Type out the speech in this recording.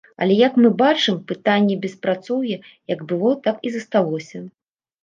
Але, як мы бачым, пытанне беспрацоўя як было, так і засталося.